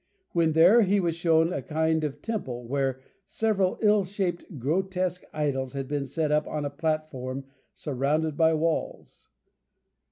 When there he was shown a kind of temple, where several ill shaped, grotesque idols had been set up on a platform surrounded by walls.